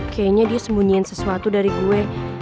kayaknya dia sembunyiin sesuatu dari gue